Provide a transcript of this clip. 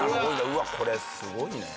うわっこれすごいね。